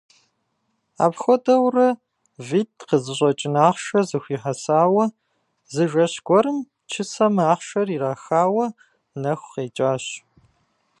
Апхуэдэурэ витӀ къызыщӀэкӀын ахъшэ зэхуихьэсауэ, зы жэщ гуэрым чысэм ахъшэр ирахауэ нэху къекӀащ.